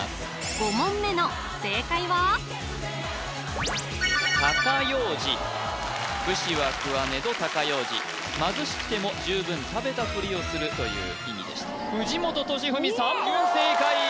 ５問目の正解は高楊枝武士は食わねど高楊枝貧しくても十分食べたふりをするという意味でした藤本敏史３問正解